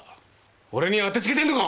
俺に当てつけてんのか？